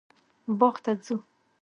باغ ته ځو